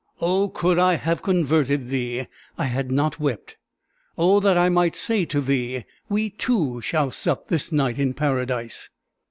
"Oh! could I have converted thee, I had not wept. Oh that I might say to thee, 'We two shall sup this night in Paradise!'"